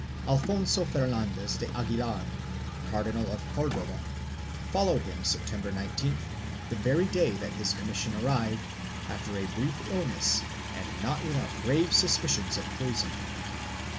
314 RELATIONS WITH THE CROWN [BOOK II Fernandez de Aguilar, Cardinal of Cordova, followed him Sep tember 19th, the very day that his commission arrived, after a brief illness and not without grave suspicions of poison.